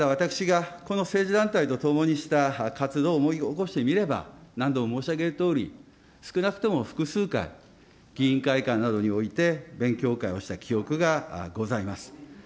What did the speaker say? ただ、私がこの政治団体と共にした活動を思い起こして見れば、何度も申し上げるとおり、少なくとも複数回、議員会館などにおいて勉強会をした記憶がございます。